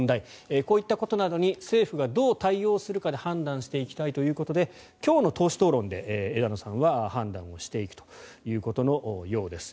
こういったことなどに政府がどう対応するかで判断していきたいということで今日の党首討論で枝野さんは判断をしていくようです。